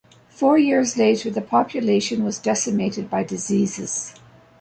Four years later, the population was decimated by diseases.